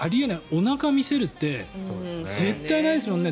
おなかを見せるって絶対にないですもんね